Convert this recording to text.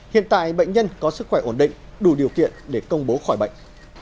hiện tại bệnh nhân có sức khỏe ổn định đủ điều kiện để công bố khỏi bệnh